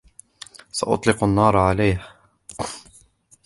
سأطلق النار عليه.